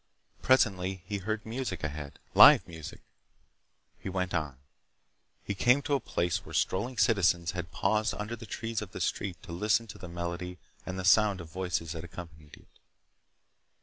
Presently he heard music ahead—live music. He went on. He came to a place where strolling citizens had paused under the trees of the street to listen to the melody and the sound of voices that accompanied it.